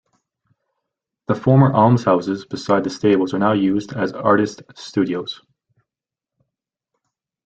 The former almshouses beside the stables are now used as artists' studios.